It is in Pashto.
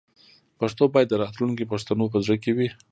پښتو باید د راتلونکي پښتنو په زړه کې وي.